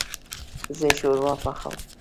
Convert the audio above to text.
زه شوروا پخوم